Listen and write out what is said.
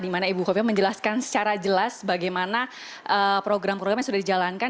di mana ibu kofi fahim menjelaskan secara jelas bagaimana program program yang sudah dijalankan